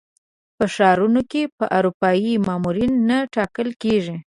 په ښارونو کې به اروپایي مامورین نه ټاکل کېږي.